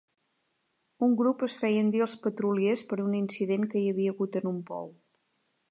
Un grup es feien dir els "petroliers" per un incident que hi havia hagut en un pou.